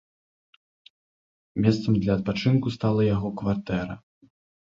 Месцам для адпачынку стала яго кватэра.